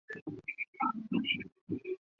基本社会单元是一对父母和它们的后代。